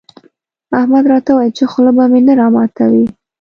احمد راته وويل چې خوله به مې نه راماتوې.